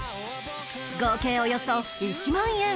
合計およそ１万円